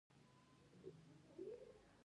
آزاد تجارت مهم دی ځکه چې ماشینونه راوړي کرنې.